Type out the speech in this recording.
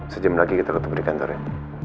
sejam lagi kita ketemu di kantor ya